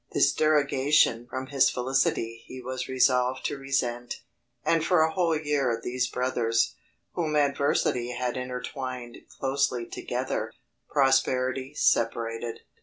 This derogation from his felicity he was resolved to resent; and for a whole year these brothers, whom adversity had entwined closely together, prosperity separated.